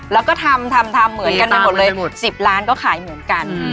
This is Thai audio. แล้วก็ทำทำเหมือนกันไปหมดเลย๑๐ล้านก็ขายเหมือนกัน